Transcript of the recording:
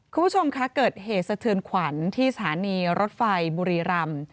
คุณผู้ชมคะเกิดเหตุสะเทือนขวัญที่สถานีรถไฟบุรีรำ